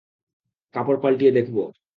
কাপড় পাল্টিয়ে দেখব।